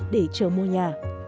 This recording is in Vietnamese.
để chờ mua nhà